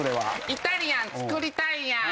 「イタリアン作りたいやん」